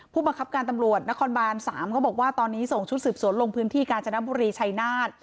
ผู้บังคับการตำรวจนครบาน๓เขาบอกว่าตอนนี้ส่งชุดสืบสวนลงพื้นที่กาญจนบุรีชัยนาฏ